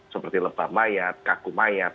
seperti lebam mayat kaku mayat